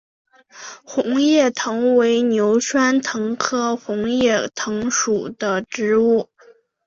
红叶藤为牛栓藤科红叶藤属的植物。